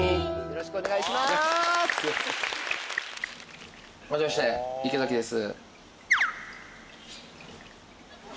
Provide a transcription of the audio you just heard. よろしくお願いします！